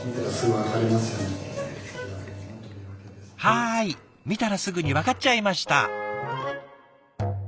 はい見たらすぐにわかっちゃいました。